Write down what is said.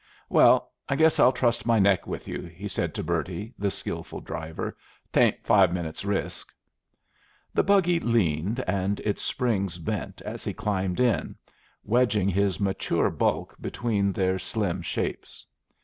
"Well, I guess I'll trust my neck with you," he said to Bertie, the skillful driver; "'tain't five minutes' risk." The buggy leaned, and its springs bent as he climbed in, wedging his mature bulk between their slim shapes.